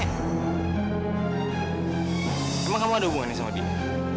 emang kamu ada hubungannya sama dia